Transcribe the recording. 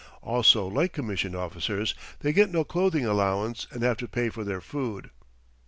Also, like commissioned officers, they get no clothing allowance and have to pay for their food.